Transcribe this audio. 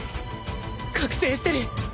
覚醒してる！